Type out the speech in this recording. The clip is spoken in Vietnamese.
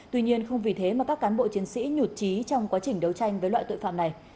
tuy nhiên không vì thế mà các cán bộ chiến sĩ nhụt trí trong quá trình đấu tranh với loại tội phạm này